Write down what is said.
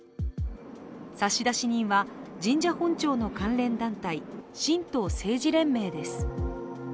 差出人は、神社本庁の関連団体、神道政治連盟です。